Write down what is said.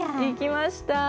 行きました。